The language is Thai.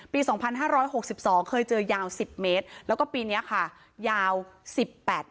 ปี๒๕๖๒เคยเจยา๑๐เมตรเราก็ปีนี้ยาว๑๘เมตร